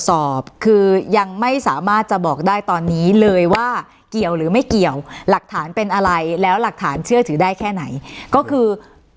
สอบคือยังไม่สามารถจะบอกได้ตอนนี้เลยว่าเกี่ยวหรือไม่เกี่ยวหลักฐานเป็นอะไรแล้วหลักฐานเชื่อถือได้แค่ไหนก็คือ